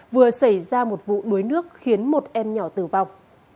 vừa xảy ra một vụ đuối nước khiến một em nhỏ tử vong